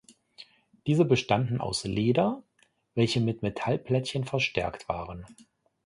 Diese bestanden aus Leder, welche mit Metallplättchen verstärkt waren.